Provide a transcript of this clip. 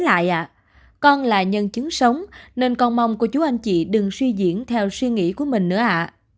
để lại ạ con là nhân chứng sống nên con mong cô chú anh chị đừng suy diễn theo suy nghĩ của mình nữa ạ